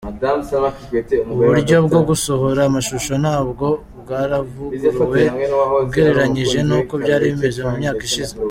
Uburyo bwo gusohora amashusho nabwo bwaravuguruwe ugereranyije nuko byari bimeze mu myaka ishize.